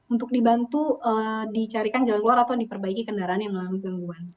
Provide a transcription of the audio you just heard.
untuk dibantu di carikan jalan luar atau di perbaiki kendaraan yang melalui gangguan